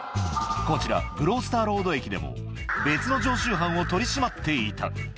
こちら、グロースター・ロード駅でも別の常習犯を取り締まっていた。